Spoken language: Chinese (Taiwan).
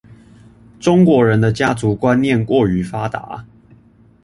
中國人的家族觀念過於發達